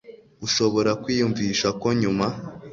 ushobora kwiyumvisha ko nyuma